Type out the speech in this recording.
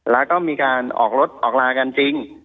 แล้วก็มีการออกรถออกลากันจริง